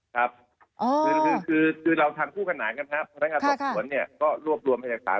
ครับคือเราทำคู่ขนาดกันครับพศเนี่ยก็รวบรวมไปจากฐาน